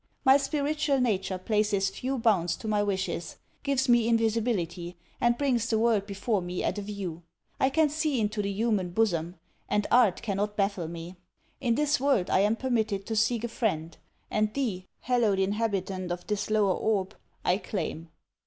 My spiritual nature places few bounds to my wishes, gives me invisibility, and brings the world before me at a view. I can see into the human bosom; and art cannot baffle me. In this world, I am permitted to seek a friend: and thee, hallowed inhabitant of this lower orb, I claim.'